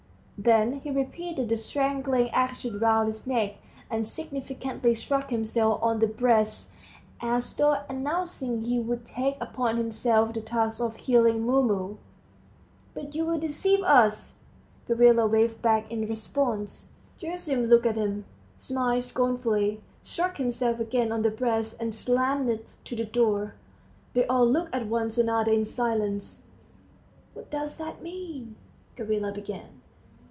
Then he repeated the strangling action round his neck and significantly struck himself on the breast, as though announcing he would take upon himself the task of killing Mumu. "But you'll deceive us," Gavrila waved back in response. Gerasim looked at him, smiled scornfully, struck himself again on the breast, and slammed to the door. They all looked at one another in silence. "What does that mean?" Gavrila began.